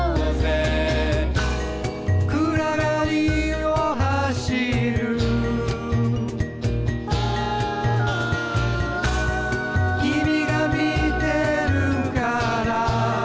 「暗がりを走る」「君が見てるから」